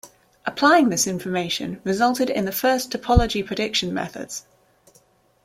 Applying this information resulted in the first topology prediction methods.